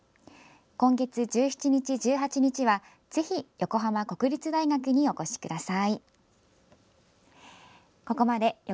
今月１７日、１８日はぜひ、横浜国立大学にお越しください。